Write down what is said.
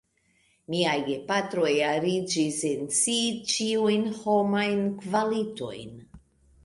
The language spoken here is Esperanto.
Miaj gepatroj arigis en si ĉiujn homajn kvalitojn.